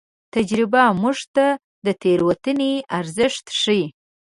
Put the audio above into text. تجربه موږ ته د تېروتنې ارزښت ښيي.